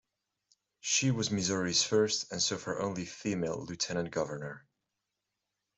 She was Missouri's first and so far only female Lieutenant Governor.